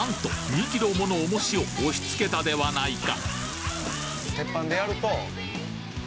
２キロもの重しを押しつけたではないか！